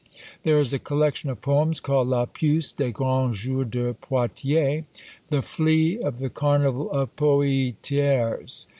There is a collection of poems called "La PUCE des grands jours de Poitiers." "The FLEA of the carnival of Poietiers."